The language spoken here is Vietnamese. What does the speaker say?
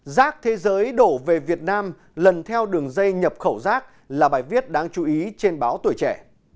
rác thế giới đổ về việt nam lần theo đường dây nhập khẩu rác là bài viết đáng chú ý trên báo tuổi trẻ